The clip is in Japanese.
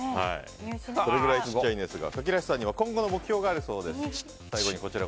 それぐらい小さいんですがかきらしさんには今後の目標があるそうです。